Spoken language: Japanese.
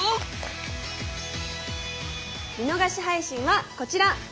見逃し配信はこちら！